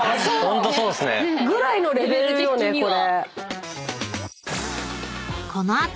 そう！ぐらいのレベルよねこれ。